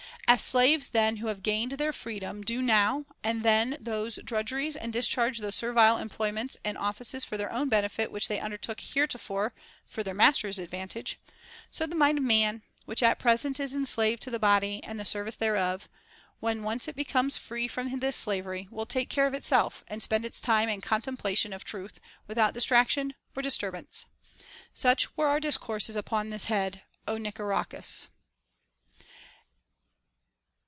As slaves then who have gained their freedom do now and then those drudg eries and discharge those servile employments and offices for their own benefit which they undertook heretofore for their masters' advantage, so the mind of man, which at present is enslaved to the body and the service thereof, when once it becomes free from this slavery, will, take care of itself, and spend its time in contemplation of truth without distraction or disturbance. Such were our dis courses upon this head, Ο Nicarchus.